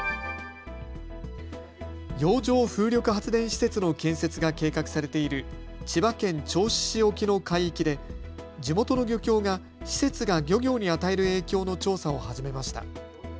洋上風力発電施設の建設が計画されている千葉県銚子市沖の海域で地元の漁協が施設が漁業に与える影響の調査を始めました。